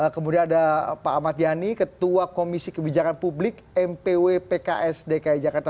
kemudian ada pak ahmad yani ketua komisi kebijakan publik mpw pks dki jakarta